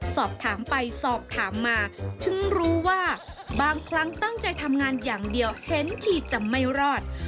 สอบถามไปสอบถามมาถึงรู้ว่าบางครั้งตั้งใจทำงานอย่างเดียวเห็นทีจะไม่รอด